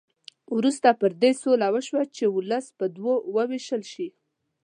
وروسته پر دې سوله وشوه چې ولس په دوه وو وېشل شي.